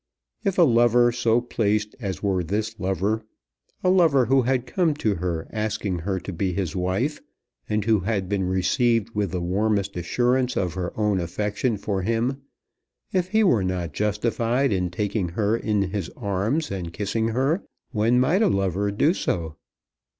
If a lover so placed as were this lover, a lover who had come to her asking her to be his wife, and who had been received with the warmest assurance of her own affection for him, if he were not justified in taking her in his arms and kissing her, when might a lover do so?